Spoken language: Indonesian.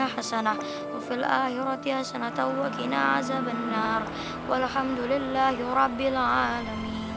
hasanahu fil akhirat ya sana tawwakin a'zabannar walhamdulillahirrabbilalamin